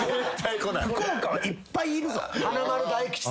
福岡はいっぱいいるぞ。